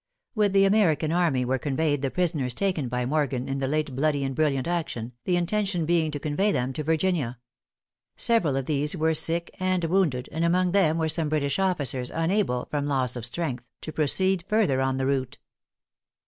With the American army were conveyed the prisoners taken by Morgan in the late bloody and brilliant action, the intention being to convey them to Virginia. Several of these were sick and wounded, and among them were some British officers, unable, from loss of strength, to proceed further on the route.